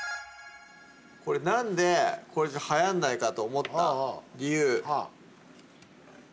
これ何ではやんないかと思った理由。